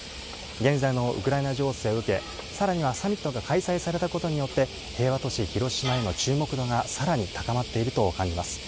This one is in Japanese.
現在のウクライナ情勢を受け、さらにはサミットが開催されたことによって、平和都市、広島への注目度がさらに高まっていると感じます。